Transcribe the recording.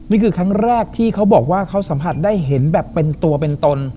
นี่คือครั้งแรกที่เขาบอกว่าเขาสัมผัสได้เห็นแบบเป็นตัวเป็นตน